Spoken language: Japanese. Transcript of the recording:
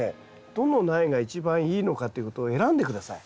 どの苗が一番いいのかということを選んで下さい。